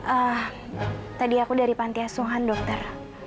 eh tadi aku dari pantiasuhan dokter